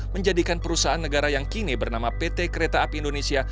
menjadikan perusahaan negara yang kini bernama pt kereta api indonesia